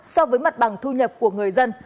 so với mặt bằng thu nhập của người dân